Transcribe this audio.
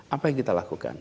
apa yang kita lakukan